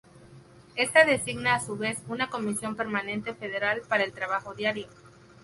Ésta designa a su vez una Comisión Permanente Federal para el trabajo diario.